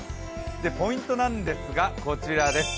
ポイントなんですがこちらです。